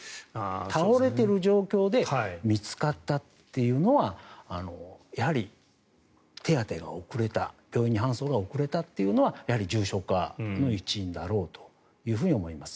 倒れている状況で見つかったっていうのはやはり、手当てが遅れた病院への搬送が遅れたのはやはり重症化の一因だろうと思います。